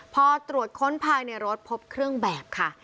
พอตรวจค้นภายในรถพบเครื่องแบบค่ะ